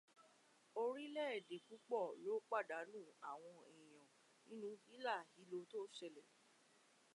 Orílè-èdè púpọ̀ ló pàdánù àwọn èèyàn wọn nínú ílàhílo tó ṣẹlẹ̀.